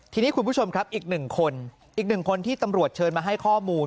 ทีนี้คุณผู้ชมครับอีกหนึ่งคนอีกหนึ่งคนที่ตำรวจเชิญมาให้ข้อมูล